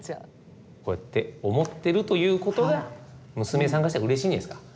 こうやって思ってるということが娘さんからしたらうれしいんじゃないですか。